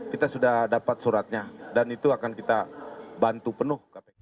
kita sudah dapat suratnya dan itu akan kita bantu penuh